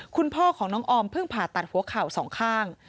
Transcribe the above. คุณพ่อของน้องออมเพิ่งผ่าตัดหัวเข่าสองข้าง